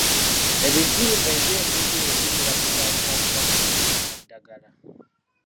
Ebizimba eby'engeri eyo bitera kugambibwa kuva ku kukozesa ddagala